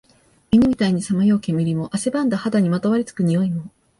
犬みたいにさまよう煙も、汗ばんだ肌にまとわり付く臭いも、